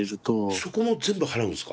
そこも全部払うんですか？